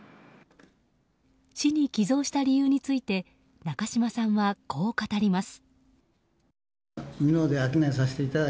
市に寄贈した理由について中嶋さんはこう語ります。